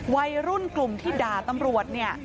วัยรุ่นกลุ่มที่ด่าตำรวจเนี่ย